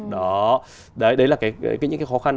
đó đấy là những cái khó khăn